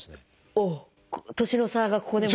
おお年の差がここでも。